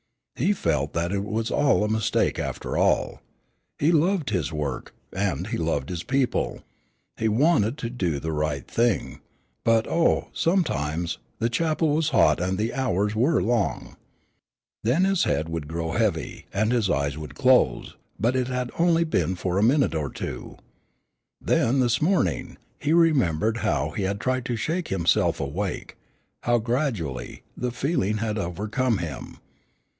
He felt that it was all a mistake after all. He loved his work, and he loved his people. He wanted to do the right thing, but oh, sometimes, the chapel was hot and the hours were long. Then his head would grow heavy, and his eyes would close, but it had been only for a minute or two. Then, this morning, he remembered how he had tried to shake himself awake, how gradually, the feeling had overcome him.